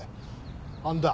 あんだ